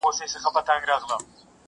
خدای دي نه کړي څوک عادت په بدي چاري!!